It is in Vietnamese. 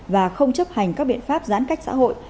và không chấp hành các biện pháp giãn cách xã hội